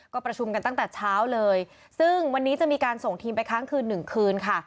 ก็ประชุมกันตั้งแต่เช้าเลยซึ่งวันนี้จะมีการส่งทีมไปค้างคืนหนึ่งคืนค่ะ